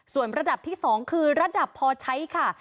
ส่วนระดับที่๒คือระดับพอใช้ค่ะ